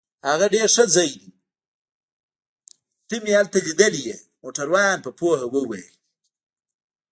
هغه ډیر ښه ځای دی، زه مې هلته لیدلی يې. موټروان په پوهه وویل.